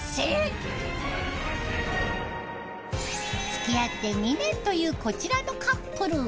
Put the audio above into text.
付き合って２年というこちらのカップル。